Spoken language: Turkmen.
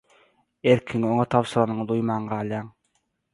Erkiňi oňa tabşyranyňy duýman galýaň.